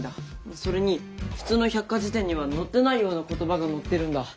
それに普通の百科事典には載ってないような言葉が載ってるんだ。